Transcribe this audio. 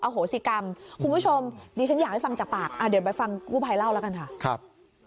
โหสิกรรมคุณผู้ชมดิฉันอยากให้ฟังจากปากเดี๋ยวไปฟังกู้ภัยเล่าแล้วกันค่ะครับ